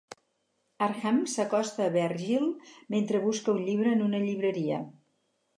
Arkham s'acosta a Vergil mentre busca un llibre en una llibreria.